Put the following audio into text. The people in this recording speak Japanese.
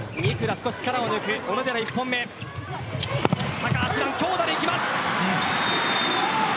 高橋藍、強打でいきます。